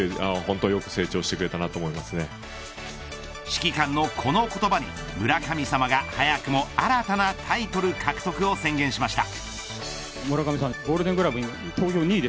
指揮官のこの言葉に村神様が早くも新たなタイトル獲得を宣言しました。